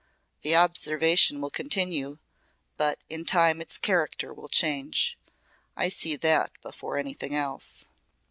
The observation will continue, but in time its character will change. I see that before anything else."